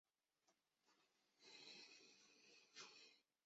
最高检领导、检委会专职委员、检委会委员出席会议并提出意见建议